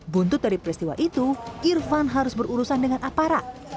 buntut dari peristiwa itu irfan harus berurusan dengan aparat